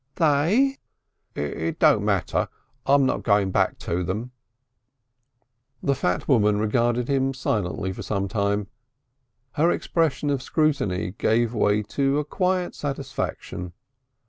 "They?" "It don't matter. I'm not going back to them." The fat woman regarded him silently for some time. Her expression of scrutiny gave way to a quiet satisfaction.